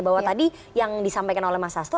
bahwa tadi yang disampaikan oleh mas hasto